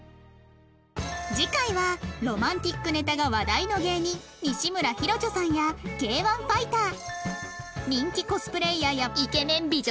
次回はロマンティックネタが話題の芸人西村ヒロチョさんや Ｋ−１ ファイター人気コスプレイヤーやイケメン美女ぞろい！